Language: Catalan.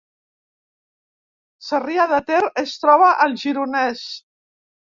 Sarrià de Ter es troba al Gironès